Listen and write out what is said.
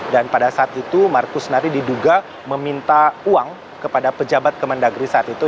dan pada saat itu markus nari diduga meminta uang kepada pejabat kemendagri saat itu